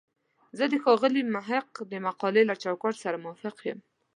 زه د ښاغلي محق د مقالې له چوکاټ سره موافق یم.